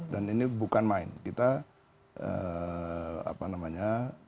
dan ini bukan main kita